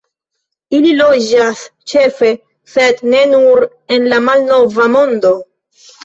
Ili loĝas ĉefe, sed ne nur en la Malnova Mondo.